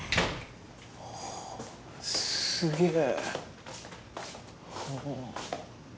おすげえ。